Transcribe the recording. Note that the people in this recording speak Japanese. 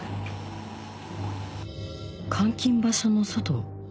監禁場所の外